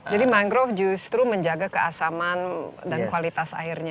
jadi mangrove justru menjaga keasaman dan kualitas airnya